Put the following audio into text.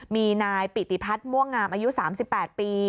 มีนายปิติพัฒน์ม่วงงามอายุ๓๘ปี